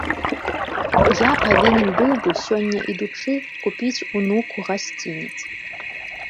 Я павінен быў бы, сёння ідучы, купіць унуку гасцінец.